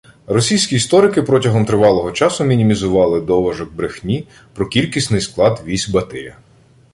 Російські історики протягом тривалого часу мінімізовували «доважок брехні» про кількісний склад військ Батия